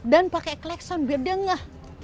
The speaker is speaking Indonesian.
dan pakai klekson biar dia enggak